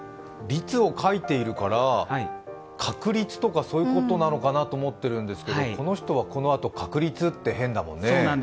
「りつ」を書いているから「かくりつ」とかそういうことかなと思ってるんですがこの人はこのあと「かくりつ」って変だもんね。